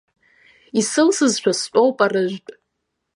Исылсызшәа стәоуп арыжәтә.